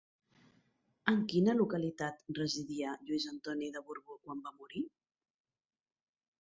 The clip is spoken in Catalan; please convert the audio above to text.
En quina localitat residia Lluís Antoni de Borbó quan va morir?